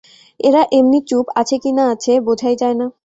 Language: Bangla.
এরা এমনি চুপ, আছে কি না-আছে বোঝাই যায় না।